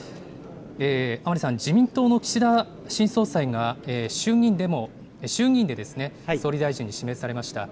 甘利さん、自民党の岸田新総裁が、衆議院で総理大臣に指名されました。